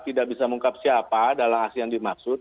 tidak bisa mengungkap siapa dalam aksi yang dimaksud